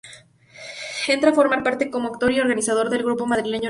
Entra a formar parte —como actor y organizador— del grupo madrileño Lejanía.